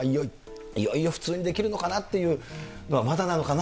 いよいよ普通にできるのかなっていうのは、まだなのかな。